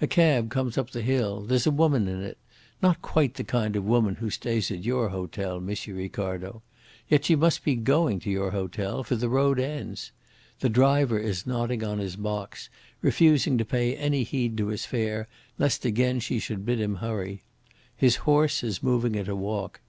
A cab comes up the hill; there's a woman in it not quite the kind of woman who stays at your hotel, M. Ricardo. Yet she must be going to your hotel, for the road ends. The driver is nodding on his box, refusing to pay any heed to his fare lest again she should bid him hurry. His horse is moving at a walk.